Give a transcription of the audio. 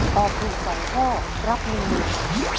ตอบถูก๒ข้อรับ๑๐๐๐บาท